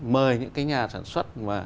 mời những cái nhà sản xuất